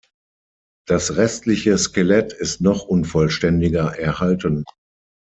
Das restliche Skelett ist noch unvollständiger erhalten.